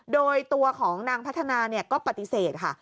โดยตัวของนางพัฒนาก็ปฏิเสธค่ะ